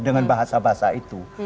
dengan bahasa bahasa itu